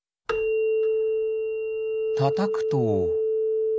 たたくと。